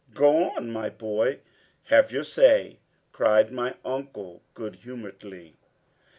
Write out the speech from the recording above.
"Go on, my boy have your say," cried my uncle goodhumoredly.